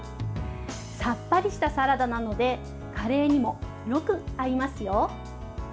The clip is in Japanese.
さっぱりしたサラダなのでカレーにも、よく合いますよ。